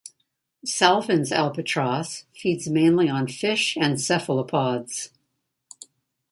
Salvin's albatross feeds mainly on fish and cephalopods.